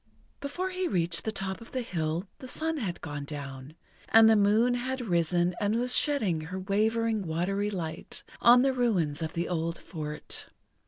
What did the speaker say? Before he reached the top of the hill the sun had gone down, and the moon had risen and was shedding her wavering, watery light on the ruins of the old fort.